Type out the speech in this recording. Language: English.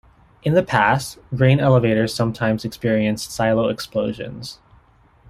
In the past, grain elevators sometimes experienced silo explosions.